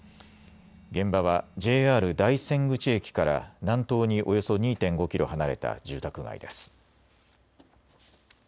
現場はＪＲ大山口駅から南東におよそ２．５キロ離れた住宅街です。